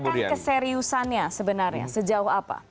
dipertanyakan keseriusannya sebenarnya sejauh apa